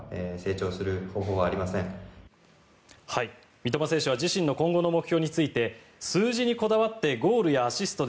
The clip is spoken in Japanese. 三笘選手は自身の今後の目標について数字にこだわってゴールやアシストで